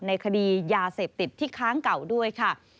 ในคดียาเสพติดที่ค้างเก่าด้วยค่ะ